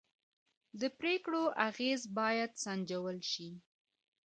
د پرېکړو اغېز باید سنجول شي